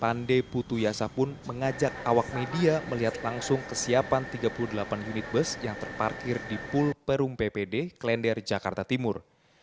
pande putuyasa pun mengajak awak media melihat langsung kesiapan tiga puluh delapan unit bus yang terparkir di pul perum ppd klender jakarta timur